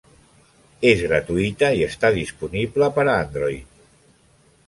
És gratuïta i està disponible per a Android.